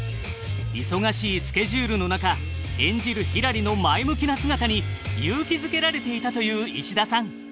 忙しいスケジュールの中演じるひらりの前向きな姿に勇気づけられていたという石田さん。